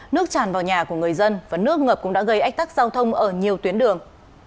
nước tràn vào nhà của người dân và nước ngập cũng đã gây ách tắc giao thông ở nhiều tuyến đường